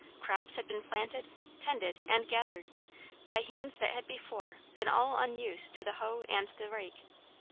Crops had been planted, tended, and gathered, by hands that before had been all unused to the hoe and the rake.